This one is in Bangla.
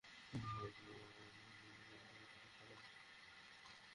এভাবে নানা বিতর্কিত কর্মকাণ্ডের মধ্য দিয়ে তারা একটি গৃহযুদ্ধ বাধানোর চেষ্টা করে।